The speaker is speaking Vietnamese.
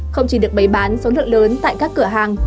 không chỉ được bày bán số lượng lớn tại các cửa hàng